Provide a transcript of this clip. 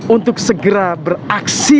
untuk segera beraksi